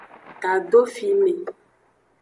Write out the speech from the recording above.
Tado fime.